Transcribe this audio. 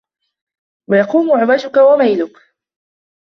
وَيُقَوِّمُ عِوَجَك وَمَيْلَك